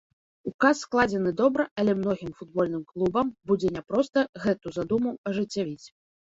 Указ складзены добра, але многім футбольным клубам будзе няпроста гэту задуму ажыццявіць.